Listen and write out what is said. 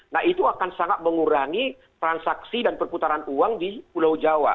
nah itu akan sangat mengurangi transaksi dan perputaran uang di pulau jawa